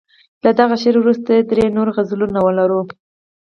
له دغه شعر وروسته درې نور غزلونه لرو.